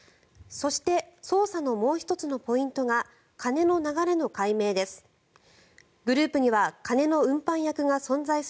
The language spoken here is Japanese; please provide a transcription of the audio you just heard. そして捜査のもう１つのポイントが金の流れの解明です。